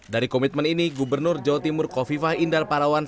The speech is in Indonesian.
dari komitmen ini gubernur jawa timur kofifah indar parawan